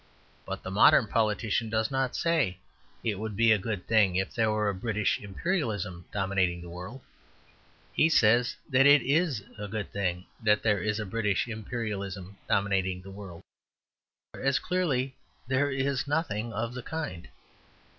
But the modern politician does not say, "It would be a good thing if there were a British Imperialism dominating the world." He says, "It is a good thing that there is a British Imperialism dominating the world;" whereas clearly there is nothing of the kind.